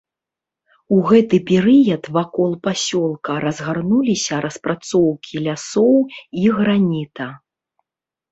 У гэты перыяд вакол пасёлка разгарнуліся распрацоўкі лясоў і граніта.